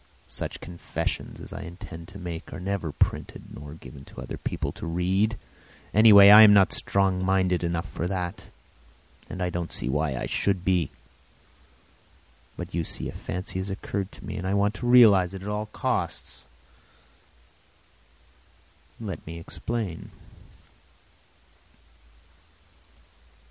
Such confessions as I intend to make are never printed nor given to other people to read. Anyway, I am not strong minded enough for that, and I don't see why I should be. But you see a fancy has occurred to me and I want to realise it at all costs. Let me explain.